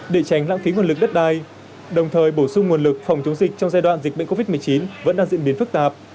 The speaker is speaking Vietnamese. để tránh lãng phí nguồn lực đất đai đồng thời bổ sung nguồn lực phòng chống dịch trong giai đoạn dịch bệnh covid một mươi chín vẫn đang diễn biến phức tạp